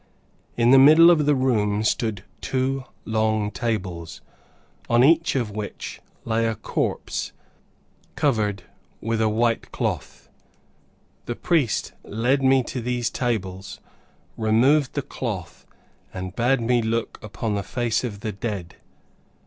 In the middle of the room, stood two long tables, on each of which, lay a corpse, covered with a white cloth. The priest led me to these tables, removed the cloth and bade me look upon the face of the dead.